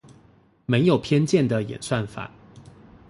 沒有偏見的演算法